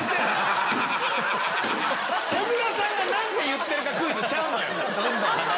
小倉さんが何て言ってるかクイズちゃうの！